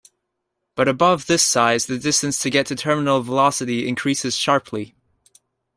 But above this size the distance to get to terminal velocity increases sharply.